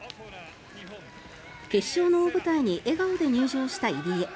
決勝の大舞台に笑顔で入場した入江。